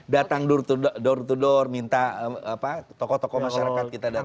datang door to door minta tokoh tokoh masyarakat kita datang